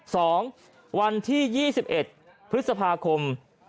สองวันที่๒๑พฤษภาคม